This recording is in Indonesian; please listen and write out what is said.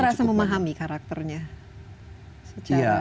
tapi merasa memahami karakternya